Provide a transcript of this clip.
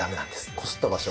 こすった場所